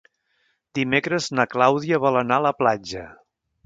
Dimecres na Clàudia vol anar a la platja.